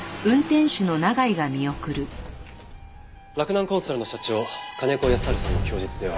洛南コンサルの社長金子康晴さんの供述では。